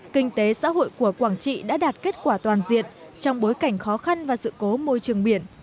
kinh tế xã hội của quảng trị đã đạt kết quả toàn diện trong bối cảnh khó khăn và sự cố môi trường biển